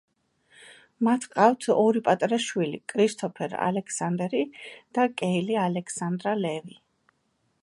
მათ ჰყავთ ორი პატარა შვილი: კრისტოფერ ალექსანდერი და კეილი ალექსანდრა ლევი.